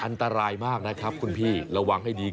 อันตรายมากนะครับคุณพี่ระวังให้ดี